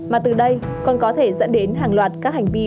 mà từ đây còn có thể dẫn đến hàng loạt các hành vi